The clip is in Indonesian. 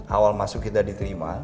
awal masuk kita diterima